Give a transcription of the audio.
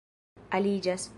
aliĝas